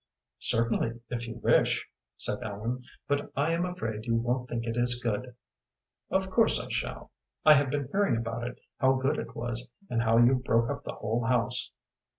"Certainly, if you wish," said Ellen, "but I am afraid you won't think it is good." "Of course I shall. I have been hearing about it, how good it was, and how you broke up the whole house."